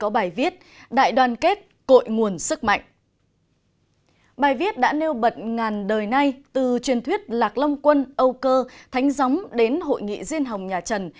bài viết đã nêu bật ngàn đời nay từ truyền thuyết lạc long quân âu cơ thánh gióng đến hội nghị riêng hồng nhà trần